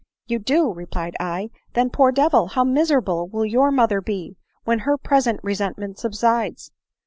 ' You do !' replied I ;* t&ra, poor devil ! how miserable will your mother be when her present resentment subsides!